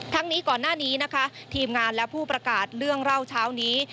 นี้ก่อนหน้านี้นะคะทีมงานและผู้ประกาศเรื่องเล่าเช้านี้